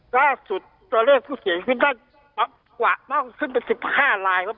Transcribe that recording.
ล่าสุดตัวเลขผู้เสียชีวิตได้มากกว่ามากขึ้นเป็น๑๕ลายครับ